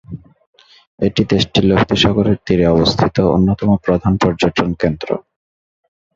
এটি দেশটির লোহিত সাগরের তীরে অবস্থিত অন্যতম প্রধান পর্যটন কেন্দ্র।